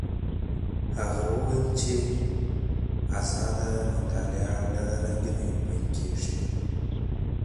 هغه وویل چي ازاده مطالعه له رنګینیو پیل کیږي.